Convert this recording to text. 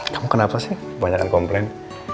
kamu kenapa sih banyak yang komplain